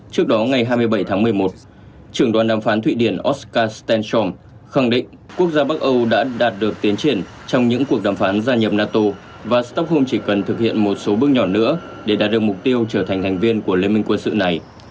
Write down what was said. trước đó ngày hai mươi bảy tháng một mươi một trưởng đoàn đàm phán thụy điển oscarstentrom khẳng định quốc gia bắc âu đã đạt được tiến triển trong những cuộc đàm phán gia nhập nato và stockholm chỉ cần thực hiện một số bước nhỏ nữa để đạt được mục tiêu trở thành thành viên của liên minh quân sự này